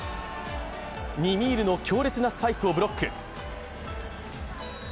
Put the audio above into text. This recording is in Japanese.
ニミールの強烈なスパイクをブロック。